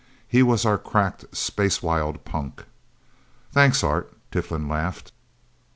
He was our cracked, space wild punk." "Thanks, Art," Tiflin laughed.